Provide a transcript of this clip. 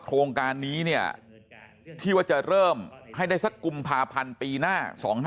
โครงการนี้เนี่ยที่ว่าจะเริ่มให้ได้สักกุมภาพันธ์ปีหน้า๒๕๖